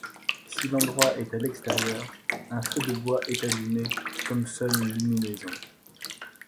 Si l'endroit est à l'extérieur, un feu de bois est allumé comme seule luminaison.